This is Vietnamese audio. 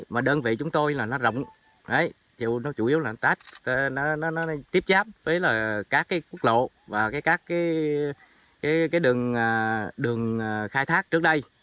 mà đơn vị chúng tôi là nó rộng chủ yếu là nó tiếp giáp với các quốc lộ và các đường khai thác trước đây